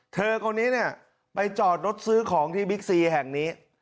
เธอคนนี้เนี่ยไปจอดรถซื้อของที่บิ๊กซีแห่งนี้